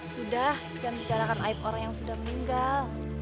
sudah jangan bicarakan aib orang yang sudah meninggal